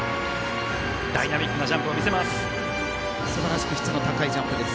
ダイナミックなジャンプを見せます。